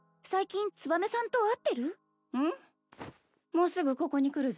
もうすぐここに来るぞ。